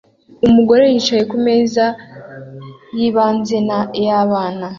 Umugore yicaye kumeza yibanze yabana